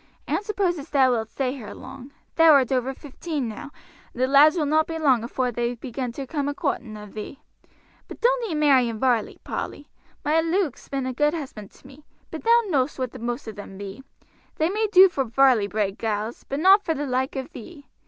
I don't suppose as thou wilt stay here long; thou art over fifteen now, and the lads will not be long afore they begin to come a coorting of thee. But doan't ee marry in Varley, Polly. My Luke's been a good husband to me. But thou know'st what the most of them be they may do for Varley bred gals, but not for the like of thee.